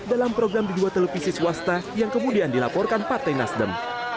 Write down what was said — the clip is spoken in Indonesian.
dalam program di dua televisi swasta yang kemudian dilaporkan partai nasdem